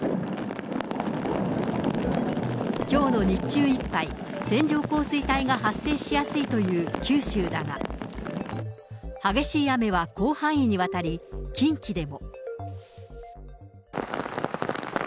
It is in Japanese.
きょうの日中いっぱい、線状降水帯が発生しやすいという九州だが、激しい雨は広範囲にわたり、近畿でも。